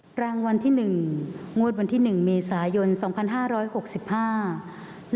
รางวัลที่หนึ่งงวดวันที่หนึ่งเมษายนสองพันห้าร้อยหกสิบห้า